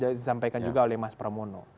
yang disampaikan juga oleh mas pramono